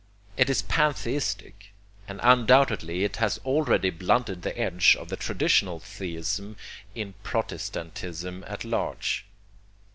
It is pantheistic, and undoubtedly it has already blunted the edge of the traditional theism in protestantism at large.